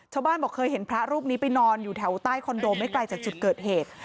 บอกเคยเห็นพระรูปนี้ไปนอนอยู่แถวใต้คอนโดไม่ไกลจากจุดเกิดเหตุ